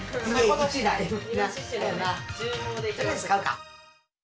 とりあえず買うか。